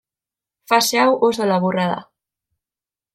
Fase hau oso laburra da.